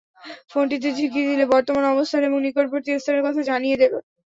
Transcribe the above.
ফোনটিতে ঝাঁকি দিলে বর্তমান অবস্থান এবং নিকটবর্তী স্থানের কথা জানিয়ে দেবে।